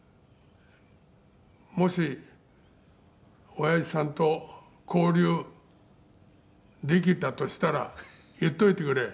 「もし親父さんと交流できたとしたら言っといてくれ」